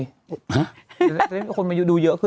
มันมีคนมาดูเยอะขึ้น